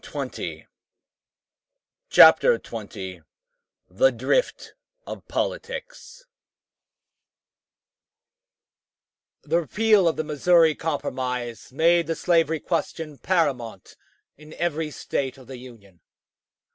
] CHAPTER XX THE DRIFT OF POLITICS The repeal of the Missouri Compromise made the slavery question paramount in every State of the Union.